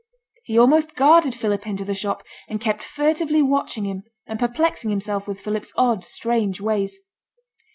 He almost guarded Philip into the shop, and kept furtively watching him, and perplexing himself with Philip's odd, strange ways.